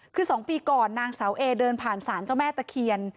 คือ๒ปีก่อนนางสาวเอเดินผ่านศาลเจ้าแม่ตะเคียน